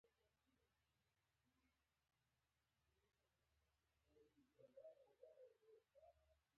بدخشان د افغانستان د ولایاتو په کچه توپیر لري.